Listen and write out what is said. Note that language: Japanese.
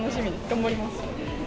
頑張ります。